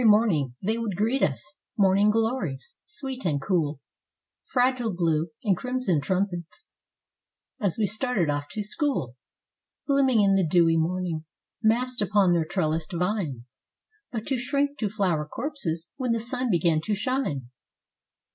MORNINGthey would greet us, morn¬ ing glories, sweet and cool; Fragile blue and crimson trumpets, as we started off to school; Blooming in the dewy morning, massed upon their trellised vine, ^ But to shrink to flower corpses when the sun began to shine.